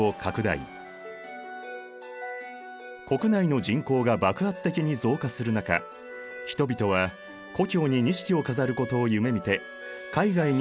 国内の人口が爆発的に増加する中人々は故郷に錦を飾ることを夢みて海外に働きに出るようになった。